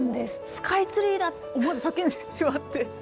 「スカイツリーだ！」って思わず叫んでしまって。